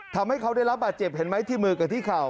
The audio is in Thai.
ทำให้เขาได้รับบาดเจ็บเห็นไหมที่มือกับที่เข่า